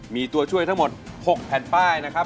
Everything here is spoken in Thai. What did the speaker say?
มีตัวช่วยทั้งหมด๖แผ่นป้ายนะครับ